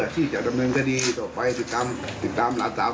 ที่อยู่กับบีอ่ะ